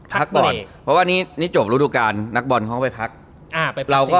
พักก่อนเพราะว่านี้จบฤดูการนักบอลห้องไปพัก